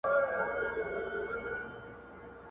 خو د څهرو. سامان او هرکلي وضعیت